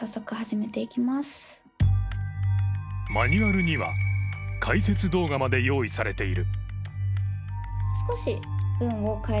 マニュアルには、解説動画まで用意されている。